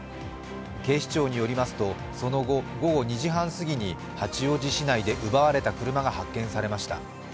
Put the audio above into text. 警視庁によりますと、その後午後２時半すぎに八王子市内で奪われた車が発見されました。